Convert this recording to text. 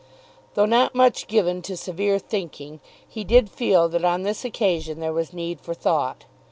Though not much given to severe thinking, he did feel that on this occasion there was need for thought.